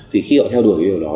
thì khi họ theo đuổi cái điều đó